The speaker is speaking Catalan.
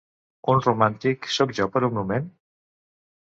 Un romàntic, sóc jo per un moment?